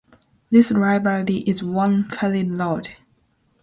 Leith Library is on Ferry Road.